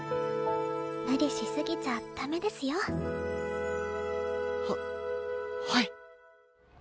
無理しすぎちゃダメですよ？ははい。